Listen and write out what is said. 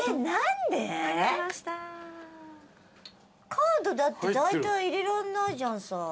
カードだってだいたい入れらんないじゃんさ。